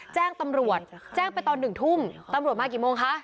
แจ้งตำรวจแจ้งไปตอน๑ทุ่มตำรวจมากี่โมงคะ